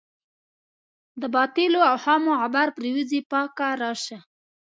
د باطلو اوهامو غبار پرېوځي پاکه راشه.